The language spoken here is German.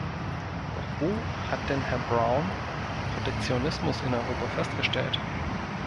Doch wo hat denn Herr Brown Protektionismus in Europa festgestellt?